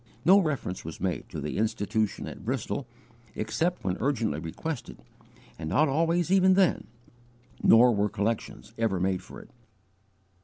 No reference was made to the Institution at Bristol, except when urgently requested, and not always even then; nor were collections ever made for it.